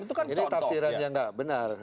ini kapsiran yang enggak benar